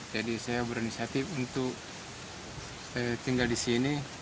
jadi saya berinisiatif untuk tinggal di sini